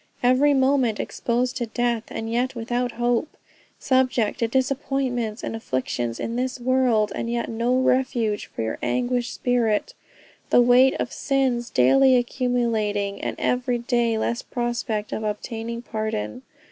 Every moment exposed to death, and yet without hope. Subject to disappointments and afflictions in this world, and yet no refuge for your anguished spirit. The weight of sins daily accumulating, and every day less prospect of obtaining pardon.